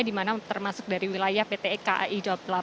di mana termasuk dari wilayah pt kai dua puluh delapan